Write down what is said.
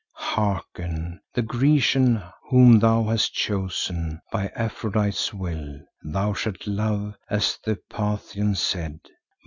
"'Hearken! The Grecian whom thou hast chosen, by Aphrodite's will, thou shalt love as the Pathian said.